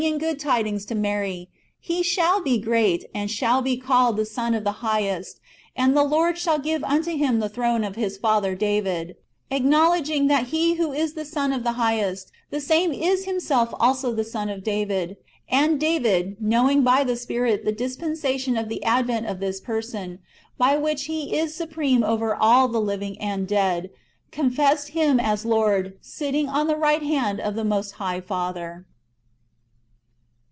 327 good tidings to Mary: "He shall be great, and shall be called the Son of the Highest ; and the Lord shall give unto Him the throne of His father David;" ^ acknowledging that He who is the Son of the Highest, the same is Himself also the Son of David. And David, knowing by the Spirit the dispensation of the advent of this Person, by which He is supreme over all the living and dead, confessed Him as Lord, sitting on the right hand of the Most High Father.